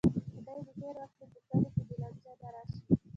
خدای دې خیر وکړي، په کلي کې دې لانجه نه راشي.